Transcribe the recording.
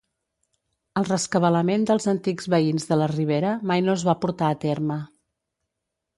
El rescabalament dels antics veïns de la Ribera mai no es va portar a terme.